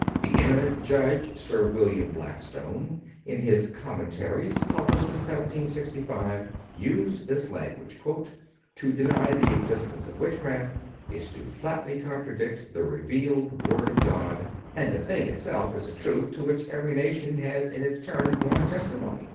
The eminent judge, Sir William Blackstone, in his "Commentaries," published in 1765, used this language: "To deny the existence of witchcraft is to flatly contradict the revealed word of God, and the thing itself is a truth to which every nation has in its turn borne testimony."